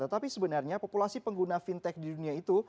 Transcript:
tetapi sebenarnya populasi pengguna fintech di dunia itu